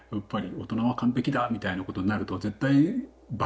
「大人は完璧だ」みたいなことになると絶対ばれるんで。